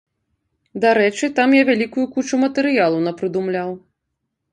Дарэчы там я вялікую кучу матэрыялу напрыдумляў.